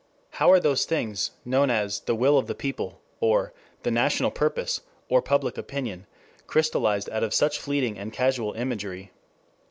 How are those things known as the Will of the People, or the National Purpose, or Public Opinion crystallized out of such fleeting and casual imagery?